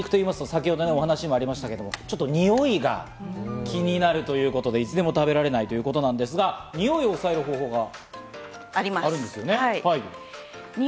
先ほどもお話がありましたが、においが気になるということで、いつでも食べられないということですが、においを抑える方法があるんですね。